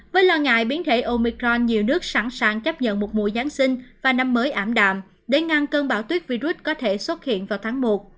với lo ngại biến thể omicron nhiều nước sẵn sàng chấp nhận một mùa giáng sinh và năm mới ảm đạm để ngăn cơn bão tuyết virus có thể xuất hiện vào tháng một